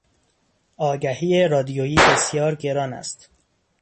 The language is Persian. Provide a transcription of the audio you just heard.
آگهی رادیویی بسیار گران است.